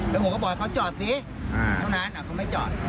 แล้วผมก็บอกเขาจอดทำไมเขาไม่จอด